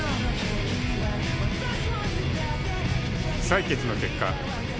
採決の結果